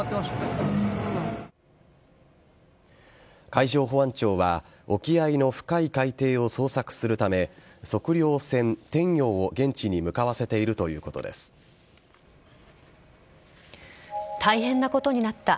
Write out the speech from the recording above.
海上保安庁は沖合の深い海底を捜索するため測量船「天洋」を現地に向かわせている大変なことになった。